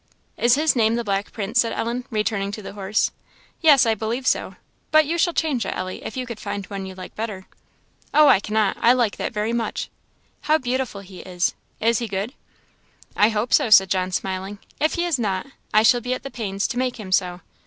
"Is his name the Black Prince?" said Ellen, returning to the horse. "Yes, I believe so; but you shall change it, Ellie, if you can find one you like better." "Oh, I cannot! I like that very much. How beautiful he is! Is he good?" "I hope so," said John, smiling "if he is not, I shall be at the pains to make him so.